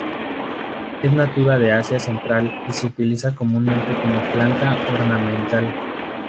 Es nativa de Asia central y se utiliza comúnmente como planta ornamental.